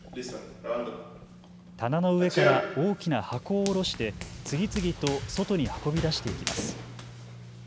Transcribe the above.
棚の上から大きな箱をおろして次々と外に運び出していきます。